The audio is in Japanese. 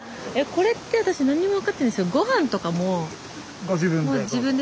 これって私何にも分かってないんですけどご自分でどうぞ。